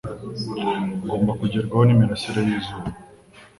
Ngomba kugerwaho n’imirasire yi zuba